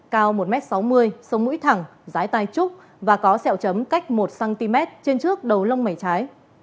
cao một sáu mươi m sông mũi thẳng giái tai trúc và có sẹo chấm cách một cm trên trước đầu lông mẩy trái